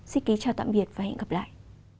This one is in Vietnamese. xin kính chào tạm biệt và hẹn gặp lại